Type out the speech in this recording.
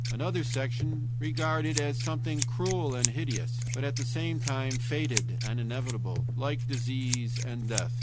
Another section regard it as something cruel and hideous, but at the same time fated and inevitable, like disease and death.